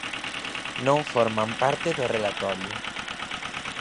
Non forman parte do relatorio.